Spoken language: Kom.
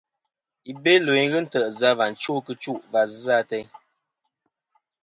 I Belo i ghɨ ntè' zɨ a và chwo kitchu va zɨ a teyn.